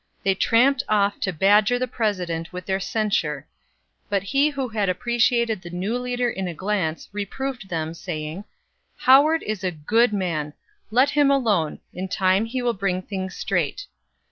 They tramped off to badger the President with their censure. But he who had appreciated the new leader in a glance, reproved them, saying: "Howard is a good man. Let him alone; in time he will bring things straight."